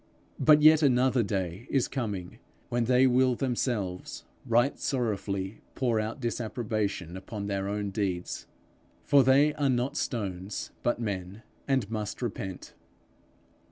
But yet another day is coming, when they will themselves right sorrowfully pour out disapprobation upon their own deeds; for they are not stones but men, and must repent.